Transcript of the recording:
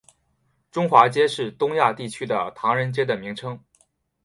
中华街是东亚地区的唐人街的名称。